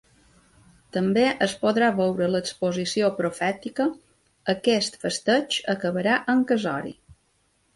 També es podrà veure l’exposició profètica Aquest festeig acabarà en casori.